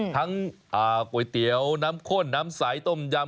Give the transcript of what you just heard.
ทั้งก๋วยเตี๋ยวน้ำข้นน้ำสายต้มยำ